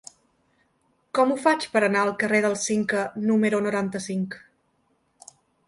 Com ho faig per anar al carrer del Cinca número noranta-cinc?